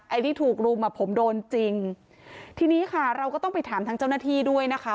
ที่ถูกรุมอ่ะผมโดนจริงทีนี้ค่ะเราก็ต้องไปถามทางเจ้าหน้าที่ด้วยนะคะ